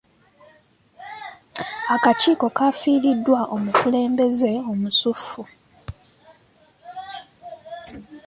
Akakiiko kafiiriddwa omukulembeze omusuffu.